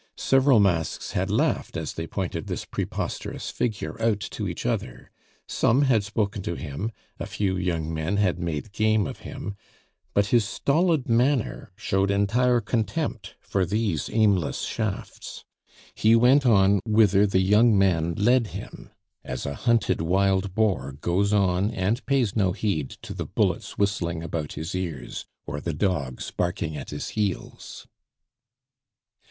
Several masks had laughed as they pointed this preposterous figure out to each other; some had spoken to him, a few young men had made game of him, but his stolid manner showed entire contempt for these aimless shafts; he went on whither the young man led him, as a hunted wild boar goes on and pays no heed to the bullets whistling about his ears, or the dogs barking at his heels.